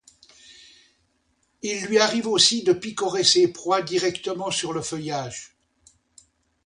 Il lui arrive aussi de picorer ses proies directement sur le feuillage.